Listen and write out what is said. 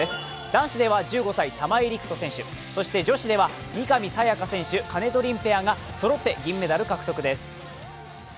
男子では１５歳、玉井陸斗選手、そして女子では三上紗也可、金戸凛ペアがそろって銀メダル獲得です。